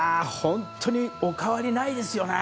お変わりないですよね。